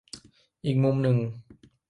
อีกมุมหนึ่ง